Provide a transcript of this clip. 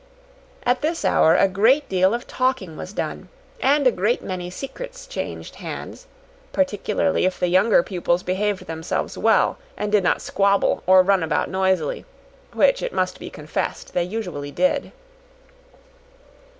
At this hour a great deal of talking was done, and a great many secrets changed hands, particularly if the younger pupils behaved themselves well, and did not squabble or run about noisily, which it must be confessed they usually did.